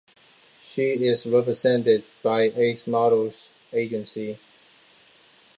She is represented by Ace Models Agency.